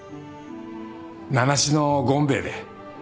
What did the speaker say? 名無しの権兵衛で。